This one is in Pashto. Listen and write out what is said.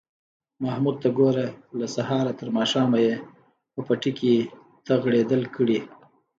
محمود ته گوره! له سهاره تر ماښامه یې په پټي کې تغړېدل کړي